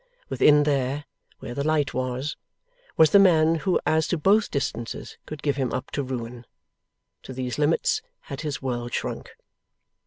Within there, where the light was, was the man who as to both distances could give him up to ruin. To these limits had his world shrunk.